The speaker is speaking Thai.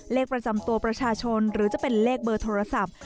เลขประจำตัวประชาชนหรือจะเป็นเลขเบอร์โทรศัพท์